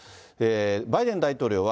バイデン大統領は、